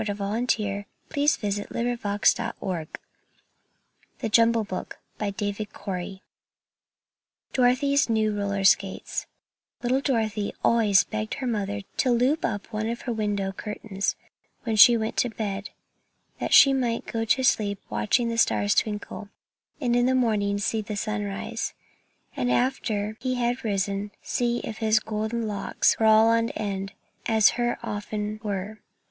I don t think it's very nice To catch the cunning little mice. DOROTHY'S NEW ROLLER SKATES Little Dorothy always begged her mother to loop up one of her window curtains when she went to bed, that she might go to sleep watching the stars twinkle, and in the morning see the sun rise, and after he had risen, see if his goldy locks were all on end, as her own often were.